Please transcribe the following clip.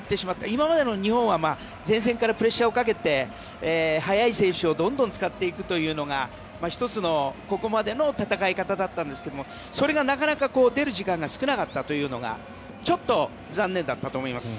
今までの日本は前線からプレッシャーをかけて速い選手をどんどん使っていくというのが１つのここまでの戦い方だったんですがそれがなかなか出る時間が少なかったというのがちょっと残念だったと思います。